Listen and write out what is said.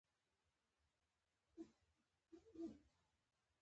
د ساه د لنډیدو لپاره باید څه وکړم؟